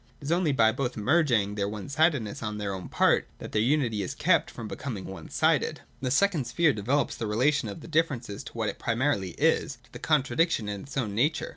It is only by both merging their one sidedness on their own part, that their unity is kept from becoming one sided. 24=2.] The second sphere developes the relation of the diflFerents to what it primarily is, — to the contradic tion in its own nature.